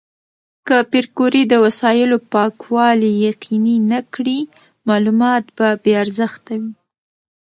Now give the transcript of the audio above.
که پېیر کوري د وسایلو پاکوالي یقیني نه کړي، معلومات به بې ارزښته وي.